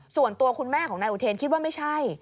ส่วนตัวคุณแม่ของนายอุเทนคิดว่าไม่ใช่